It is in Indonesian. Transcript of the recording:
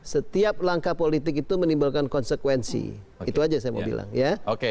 setiap langkah politik itu menimbulkan konsekuensi itu aja saya mau bilang ya oke